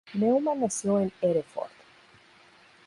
Newman nació en Hereford.